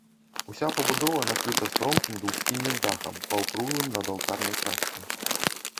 Уся пабудова накрыта стромкім двухсхільным дахам, паўкруглым над алтарнай часткай.